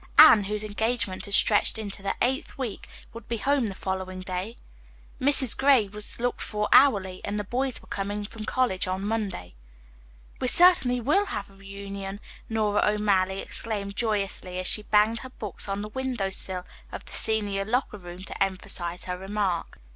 Anne, whose engagement had stretched into the eighth week, would be home the following day. Mrs. Gray was looked for hourly and the boys were coming from college on Monday. "We certainly will have a reunion," Nora O'Malley exclaimed joyously, as she banged her books on the window sill of the senior locker room to emphasize her remark.